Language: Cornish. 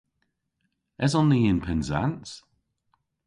Eson ni yn Pennsans?